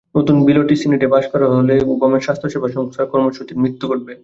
নতুন বিলটি সিনেটে পাস করা হলে ওবামার স্বাস্থ্যসেবা সংস্কার কর্মসূচির মৃত্যু ঘটবে।